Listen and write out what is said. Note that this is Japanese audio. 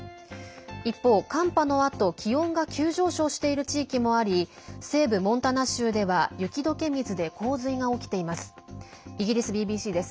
一方、寒波のあと気温が急上昇している地域もあり西部モンタナ州では雪どけ水で洪水が起きています。